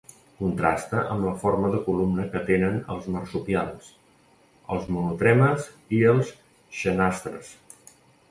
Contrasta amb la forma de columna que tenen els marsupials, els monotremes i els xenartres.